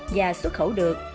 và xuất khẩu được